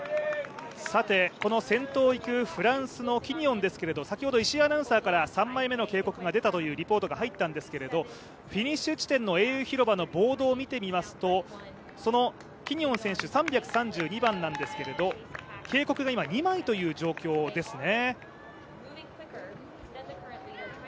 この先頭をいく、フランスのキニオンですが石井アナウンサーから３枚目の警告が出たというリポートが入ったんですけれども、フィニッシュ地点の英雄広場のボードを見てみますとそのキニオン選手、３３２番なんですけれども警告が今２枚という状況ですね。